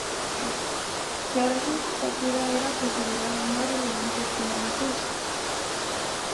La oración compartida era considerada más relevante que la liturgia.